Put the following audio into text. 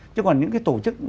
chứ còn những cái tổ chức